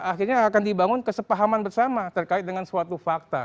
akhirnya akan dibangun kesepahaman bersama terkait dengan suatu fakta